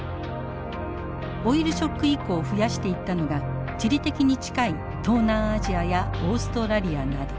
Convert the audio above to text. オイルショック以降増やしていったのが地理的に近い東南アジアやオーストラリアなど。